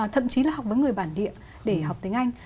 thậm chí là học với người bản địa để học tiếng anh